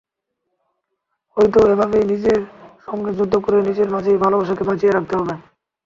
হয়তো এভাবেই নিজের সঙ্গে যুদ্ধ করে নিজের মাঝেই ভালোবাসাকে বাঁচিয়ে রাখতে হবে।